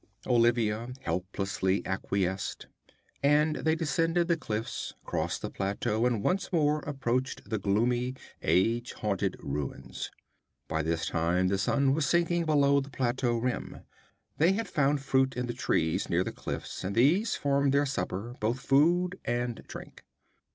Olivia helplessly acquiesced, and they descended the cliffs, crossed the plateau and once more approached the gloomy, age haunted ruins. By this time the sun was sinking below the plateau rim. They had found fruit in the trees near the cliffs, and these formed their supper, both food and drink.